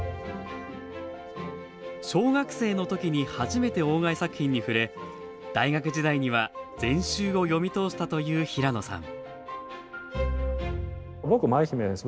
小学生のときに初めて鴎外作品に触れ、大学時代には全集を読み通したという平野さん。